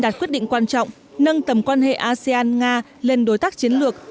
hội nghị đã quyết định quan trọng nâng tầm quan hệ asean nga lên đối tác chiến lược